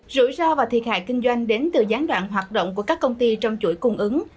rủi ro và thiệt hại kinh doanh đến từ gián đoạn hoạt động của các công ty trong chuỗi cung ứng